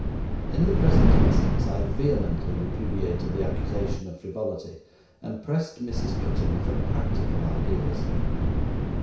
In the present instance I vehemently repudiated the accusation of frivolity, and pressed Mrs. Cutting for practical ideas.